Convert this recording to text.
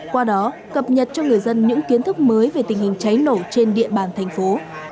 qua đó cập nhật cho người dân những kiến thức mới về tình hình cháy nổ trên địa bàn thành phố